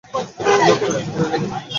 তিনি উত্তর দিতে ভুলিয়া গেলেন।